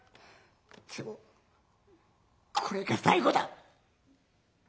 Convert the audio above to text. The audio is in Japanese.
でもこれが最後だ！